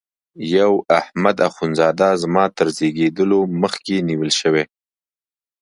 یو احمد اخوند زاده زما تر زیږېدلو مخکي نیول شوی.